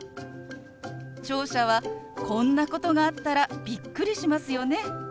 聴者はこんなことがあったらびっくりしますよね。